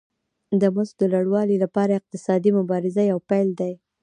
د مزد د لوړوالي لپاره اقتصادي مبارزه یو پیل دی